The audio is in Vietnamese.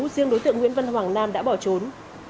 riêng đối tượng nguyễn văn hoàng nam đã bỏ trốn